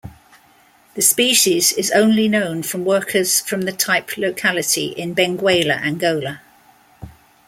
The species is only known from workers from the type locality in Benguela, Angola.